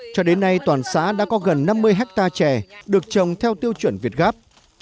cho đến nay toàn xã đã có gần năm mươi hectare chè được trồng theo tiêu chuẩn việt gáp